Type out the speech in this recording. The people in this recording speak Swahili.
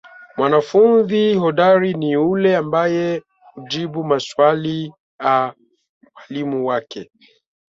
Mwanafundi hodari ni ule ambae hujibu maswali a mwalimu wake.